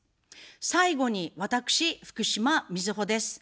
最後に私、福島みずほです。